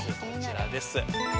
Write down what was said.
こちらです。